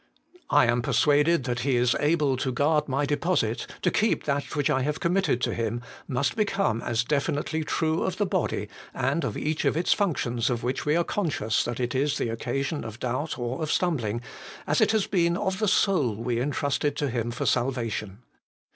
' I am persuaded that He is able to guard my deposit,' to keep that which I have committed to Him, must become as definitely true of the body, and of each of its functions of which we are conscious that it is the occasion of doubt or of stumbling, as it has been of the soul we entrusted to Him for salvation.